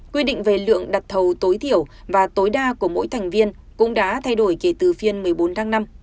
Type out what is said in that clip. quy định về lượng đặt thầu tối thiểu và tối đa của mỗi thành viên cũng đã thay đổi kể từ phiên một mươi bốn tháng năm